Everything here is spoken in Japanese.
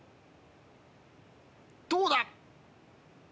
どうだ？